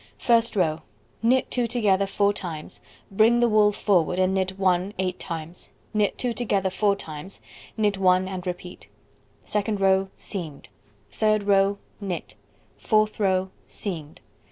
First row: Knit 2 together four times, bring the wool forward and knit 1 eight times, knit 2 together four times, knit 1, and repeat. Second row: Seamed. Third row: Knit. Fourth row: Seamed.